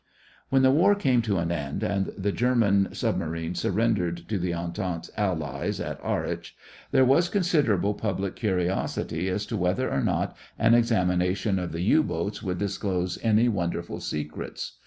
When the war came to an end and the German submarines surrendered to the Entente Allies at Harwich, there was considerable public curiosity as to whether or not an examination of the U boats would disclose any wonderful secrets.